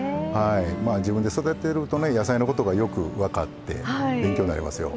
まあ自分で育てるとね野菜のことがよく分かって勉強になりますよ。